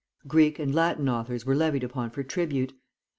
Greek and Latin authors were levied upon for tribute.